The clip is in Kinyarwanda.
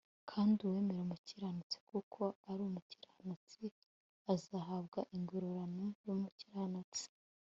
kandi uwemera umukiranutsi kuko ari umukiranutsi azahabwa ingororano yumukiranutsi